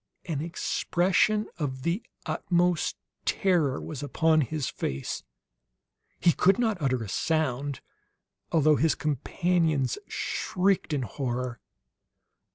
An expression of the utmost terror was upon his face; he could not utter a sound, although his companions shrieked in horror.